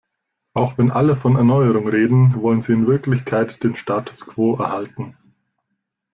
Auch wenn alle von Erneuerung reden, wollen sie in Wirklichkeit den Status quo erhalten.